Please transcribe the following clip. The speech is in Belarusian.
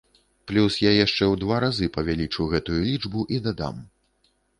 Плюс я яшчэ ў два разы павялічу гэтую лічбу і дадам.